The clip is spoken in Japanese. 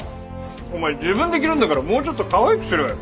お前自分で着るんだからもうちょっとかわいくしろよ。